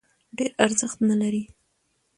ډېر ارزښت نه لري.